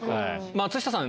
松下さん。